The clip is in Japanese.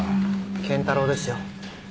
賢太郎ですよ。